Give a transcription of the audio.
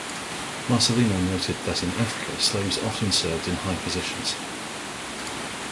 Marcellino noted that in Africa slaves often served in high positions.